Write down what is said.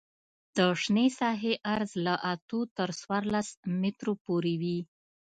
د شنې ساحې عرض له اتو تر څوارلس مترو پورې وي